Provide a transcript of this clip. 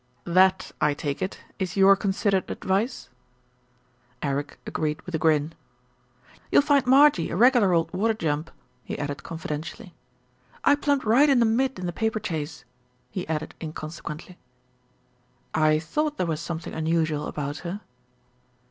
"That, I take it, is your considered advice." Eric agreed with a grin. "You'll find Marjie a regular old water jump," he ERIC STANNARD PROMISES SUPPORT 123 added confidentially. "I plumped right in the mid in the paper chase," he added inconsequently. "I thought there was something unusual about her."